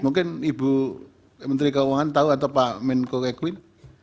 mungkin ibu menteri keuangan tahu atau pak menko equine